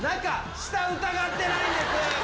下、疑ってないんです。